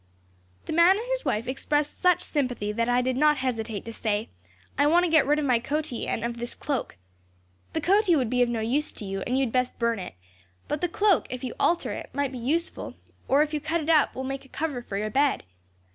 "The man and his wife expressed such sympathy that I did not hesitate to say: 'I want to get rid of my coatee, and of this cloak. The coatee would be of no use to you, and you had best burn it, but the cloak, if you alter it, might be useful; or, if you cut it up, will make a cover for your bed.